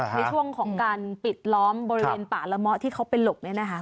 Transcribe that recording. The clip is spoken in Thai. ในช่วงของการปิดล้อมบริเวณป่าละเมาะที่เขาไปหลบเนี่ยนะคะ